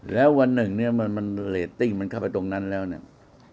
แล้ววันหนึ่งเนี่ยมันเรตติ้งมันเข้าไปตรงนั้นแล้วเนี่ย